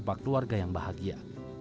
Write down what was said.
untuk membuat keluarga yang bahagia